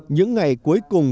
những ngày cuối cùng